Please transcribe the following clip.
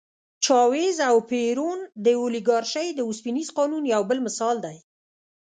چاوېز او پېرون د اولیګارشۍ د اوسپنيز قانون یو بل مثال دی.